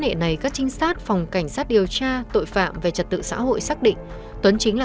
nghệ này các trinh sát phòng cảnh sát điều tra tội phạm về trật tự xã hội xác định tuấn chính là